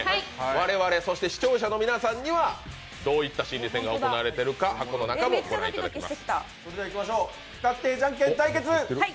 我々、そして視聴者の皆さんにはどういった心理戦が行われているか箱の中もご覧いただきます。